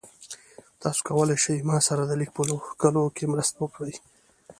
تاسو کولی شئ ما سره د لیک په لیکلو کې مرسته وکړئ؟